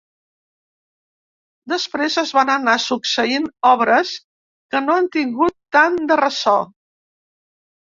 Després es van anar succeint obres que no han tingut tant de ressò.